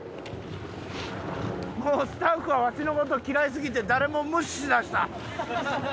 もうスタッフがわしの事嫌いすぎて誰も無視しだした。